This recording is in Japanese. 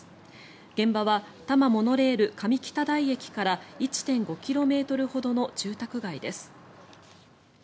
現場は多摩モノレール上北台駅から１．５ｋｍほどの住宅街です。